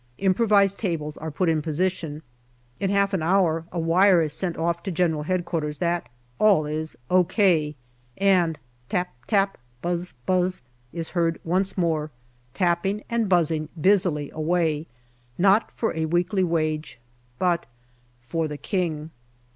Improvised tables are put in position. In half an hour a wire is sent off to G.H.Q. that all is "O.K.," and tap tap, buz buz is heard once more, tapping and buzzing busily away, not for a weekly wage, but for the King.